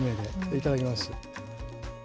いただきます。